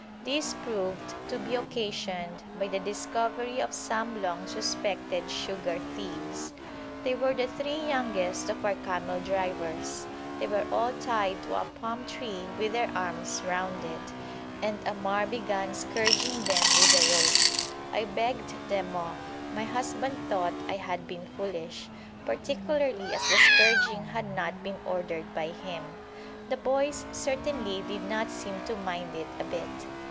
This proved to be occasioned by the discovery of some long suspected sugar thieves. They were the three youngest of our camel drivers. They were all tied to a palm tree with their arms round it, and Ammar began scourging them with a rope. I begged them off; my husband thought I had been foolish, particularly as the scourging had not been ordered by him. The boys certainly did not seem to mind it a bit.